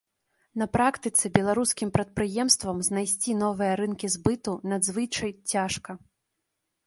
На практыцы беларускім прадпрыемствам знайсці новыя рынкі збыту надзвычай цяжка.